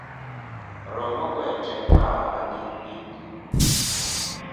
Rombo kwete kahawa nyingʼingi.